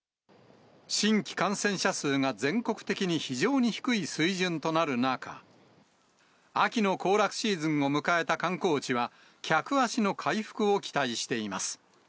新規感染者数が全国的に非常に低い水準となる中、秋の行楽シーズンを迎えた観光地は、客足の回復を期待しています。